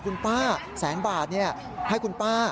คุณป้า๑๐๐๐๐๐บาทให้คุณป้า